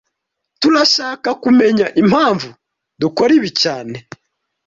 Turashaka kumenya impamvu dukora ibi cyane